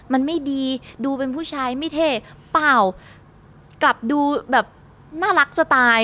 มันไม่ดีดูเป็นผู้ชายไม่เท่เปล่ากลับดูแบบน่ารักจะตาย